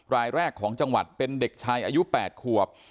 รายแรกของจังหวัดเป็นเด็กชายอายุ๘ขวบ